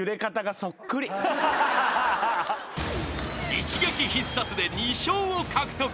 ［一撃必殺で２笑を獲得。